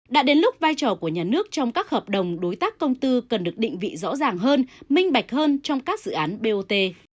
đã đến lúc vai trò của nhà nước trong các hợp đồng đối tác công tư cần được định vị rõ ràng hơn minh bạch hơn trong các dự án bot